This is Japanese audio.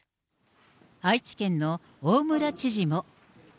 愛知県の大村知事も。